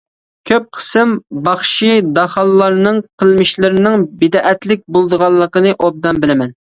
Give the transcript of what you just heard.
كۆپ قىسىم باخشى-داخانلارنىڭ قىلمىشلىرىنىڭ بىدئەتلىك بولىدىغانلىقىنى ئوبدان بىلىمەن.